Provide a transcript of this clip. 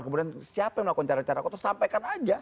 kemudian siapa yang melakukan cara cara kotor sampaikan aja